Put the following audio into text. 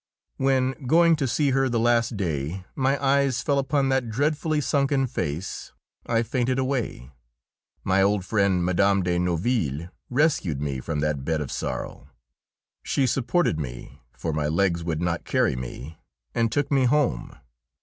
When, going to see her the last day, my eyes fell upon that dreadfully sunken face, I fainted away. My old friend Mme. de Noisville rescued me from that bed of sorrow; she supported me, for my legs would not carry me, and took me home.